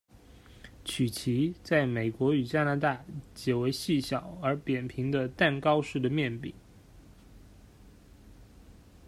曲奇在美国与加拿大解为细小而扁平的蛋糕式的面饼。